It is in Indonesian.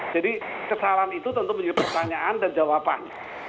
jadi kesalahan itu tentu menjadi pertanyaan dan jawaban